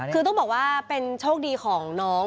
คือต้องบอกว่าเป็นโชคดีของน้อง